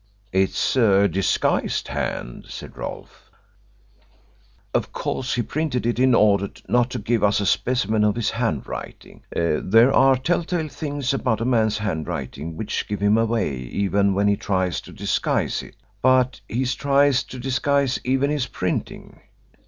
"It's a disguised hand," said Rolfe. "Of course he printed it in order not to give us a specimen of his handwriting. There are telltale things about a man's handwriting which give him away even when he tries to disguise it. But he's tried to disguise even his printing.